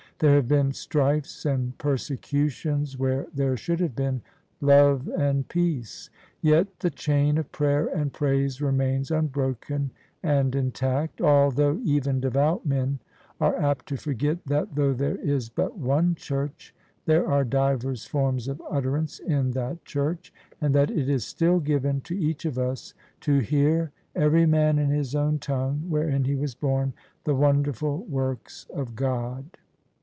There have been strifes and persecutions where there should have been love and peace ; yet the chain of prayer and praise remains unbroken and intact: although even devout men are apt to forget that though there is but One Church, there are divers forms of utterance in that Church ; and that it is still given to each of us to hear, every man in his own tongue wherein he was born, the wonderful works of God.